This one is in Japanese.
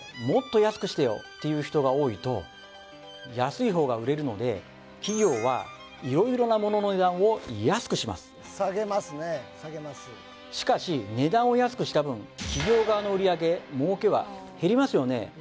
もっと安くしてよという人が多いと安い方が売れるので企業は色々なモノの値段を安くしますしかし値段を安くした分企業側の売上儲けは減りますよね